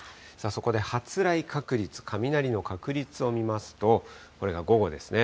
そこで発雷確率、雷の確率を見ますと、これが午後ですね。